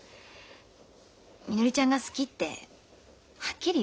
「みのりちゃんが好き」ってはっきり言われた。